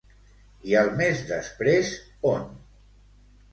I al mes després, on?